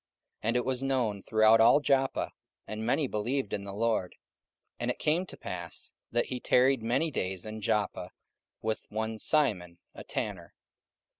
44:009:042 And it was known throughout all Joppa; and many believed in the Lord. 44:009:043 And it came to pass, that he tarried many days in Joppa with one Simon a tanner.